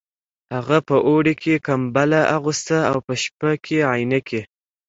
هغه په اوړي کې کمبله اغوسته او په شپه کې عینکې